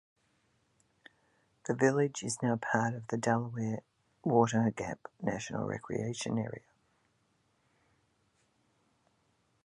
The village is now part of the Delaware Water Gap National Recreation Area.